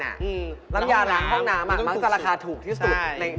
น้ำยาล้างห้องน้ำมักจะราคาถูกที่สุด